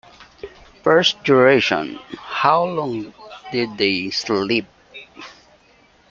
First, duration - how long did they sleep?